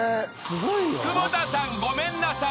［久保田さんごめんなさい］